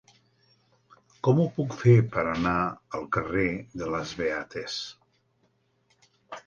Com ho puc fer per anar al carrer de les Beates?